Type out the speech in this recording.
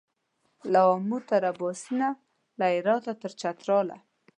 له آمو تر اباسینه له هراته تر چتراله